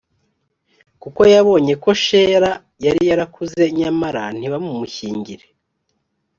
Kuko yabonye ko shela yari yarakuze nyamara ntibamumushyingire